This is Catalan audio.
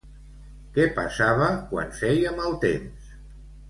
Què passava quan feia mal temps?